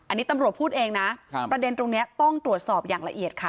อันนี้ตำรวจพูดเองนะประเด็นตรงนี้ต้องตรวจสอบอย่างละเอียดค่ะ